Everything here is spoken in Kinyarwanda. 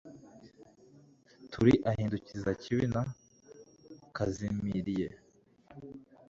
Turi ahindukiza kibi na kazimiriye